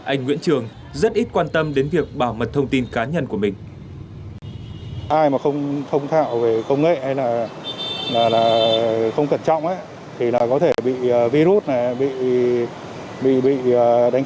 anh nguyễn trường rất ít quan tâm đến việc bảo mật thông tin cá nhân của mình